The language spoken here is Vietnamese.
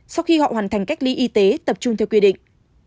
sau khi họ hoàn thành cách ly y tế tập trung theo quy định